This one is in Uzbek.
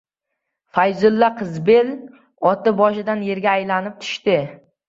Fayzulla Qizbel oti boshidan yerga aylanib tushdi.